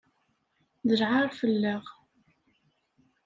D lɛaṛ fell-aɣ.